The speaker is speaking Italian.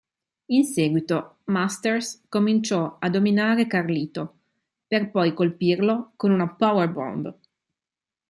In seguito, Masters incominciò a dominare Carlito per poi colpirlo con una "powerbomb".